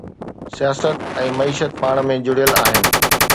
سياست ۽ معيشت پاڻ ۾ جڙيل آهن.